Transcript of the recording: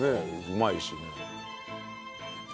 うまいしね。